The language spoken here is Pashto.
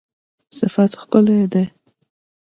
صفت ښکلی دی